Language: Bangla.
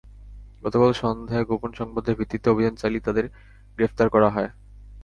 গতকাল সন্ধ্যায় গোপন সংবাদের ভিত্তিতে অভিযান চালিয়ে তাঁদের গ্রেপ্তার করা হয়।